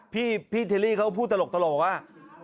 พี่เทลลี่เขาพูดตลกว่า